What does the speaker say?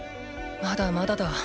まだまだだ。